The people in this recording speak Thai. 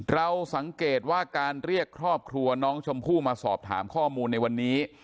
เราสังเกตว่าการเรียกครอบครัวน้องชมพู่มาสอบถามข้อมูลในวันนี้